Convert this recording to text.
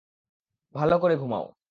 ভাল করে ঘুমাও।